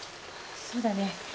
そうだね。